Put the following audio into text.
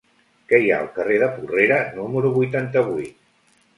Què hi ha al carrer de Porrera número vuitanta-vuit?